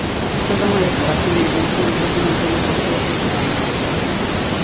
Toda unha declaración de intencións de como entenden vostedes este país.